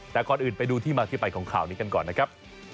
แต่ก่อนอื่นไปดูที่มาที่ไปของข่าวนี้กันก่อนนะครับ